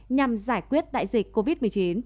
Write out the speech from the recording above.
nhằm giải quyết đại dịch covid một mươi chín